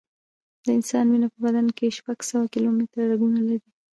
د انسان وینه په بدن کې شپږ سوه کیلومټره رګونه لري.